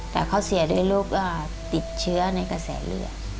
แต่เขาเสียด้วยโรคติดเชื้อกระแสเหลือ